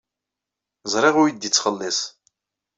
Ẓriɣ ur iyi-d-yettxelliṣ.